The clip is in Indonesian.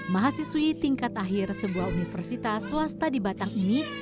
mahasiswi tingkat akhir sebuah universitas swasta di batang ini